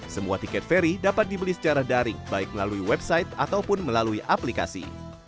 semua tiket ferry dapat dibeli secara daring baik melalui website ataupun melalui aplikasi